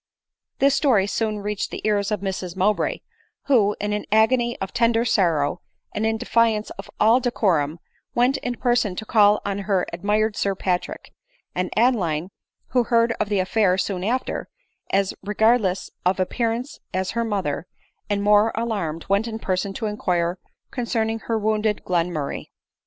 This story soon reached the ears of Mrs Mowbray, who, in an agony of tender sorrow, and in defiance of all decorum, went in person to call on her admired Sir Pa trick ; and Adeline, who heard of the affair soon after, as regardless of appearances as her mother, and more alarmed, went in person to inquire concerning her wound ed Glenmurray.